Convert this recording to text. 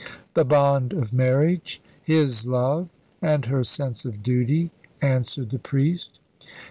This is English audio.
"The bond of marriage his love, and her sense of duty," answered the priest.